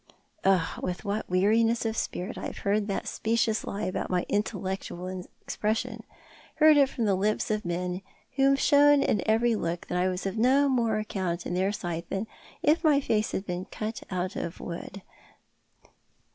Oh, with what weariness of spirit have I heard that specious lie about my intellectual expression — heard it from the lips of men who have shown in every look that I was of no more account in their sight than if my face had been cut out of wood.